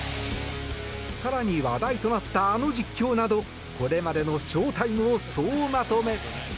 更に、話題となったあの実況などこれまでのショータイムを総まとめ。